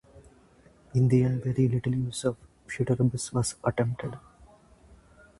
In the end very little use of Futurebus was attempted.